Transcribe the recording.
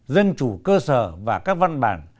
dân chủ cơ sở và các văn bản